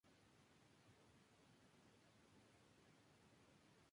Se puede acampar o pasar el día.